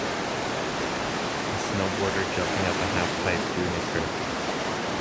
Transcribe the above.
A snow border jumping up a half pipe doing a trick.